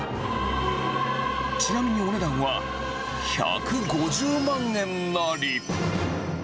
ちなみにお値段は１５０万円なり。